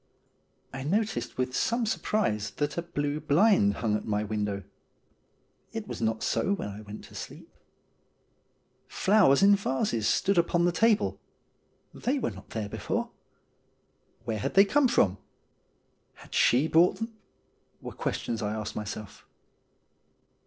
I noticed with some surprise rs8 STORIES WEIRD AND WONDERFUL that a blue blind hung at my window. It was not so when I went to sleep. Flowers in vases stood upon the table. They were not there before. Where had they come from ? Had she brought them ? were questions I asked myself.